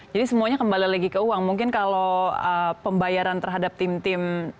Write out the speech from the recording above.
jadi semuanya kembali lagi ke uang mungkin kalau pembayaran terhadap tim tim